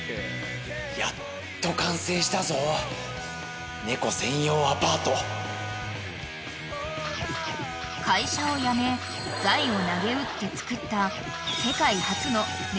やっと完成したぞ猫専用アパート［会社を辞め財をなげうって造った］